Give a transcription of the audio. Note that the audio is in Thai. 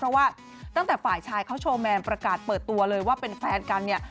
เพราะว่าตั้งแต่ฝ่ายชายเขาโชว์แมนประกาศเปิดตัวเลยว่าเป็นแฟนกันเนี่ย